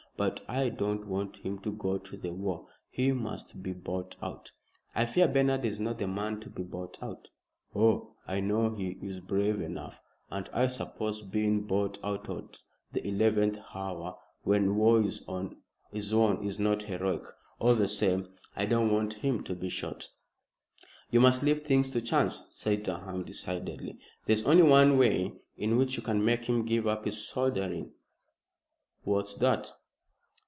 But I don't want him to go to the war. He must be bought out." "I fear Bernard is not the man to be bought out." "Oh, I know he is brave enough, and I suppose being bought out at the eleventh hour when war is on is not heroic. All the same, I don't want him to be shot." "You must leave things to chance," said Durham decidedly. "There is only one way in which you can make him give up his soldiering." "What's that?"